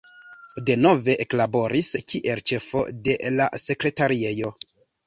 Denove eklaboris kiel ĉefo de la sekretariejo.